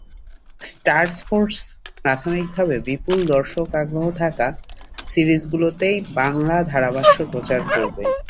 Star Sports প্রাথমিকভাবে বিপুল দর্শক আগ্রহ থাকা সিরিজগুলোতেই বাংলা ধারাভাষ্য প্রচার করবে।